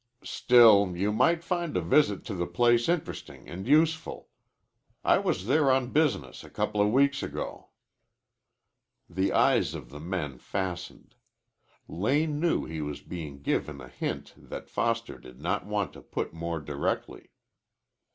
"Still you might find a visit to the place interesting and useful. I was there on business a couple of weeks ago." The eyes of the men fastened. Lane knew he was being given a hint that Foster did not want to put more directly.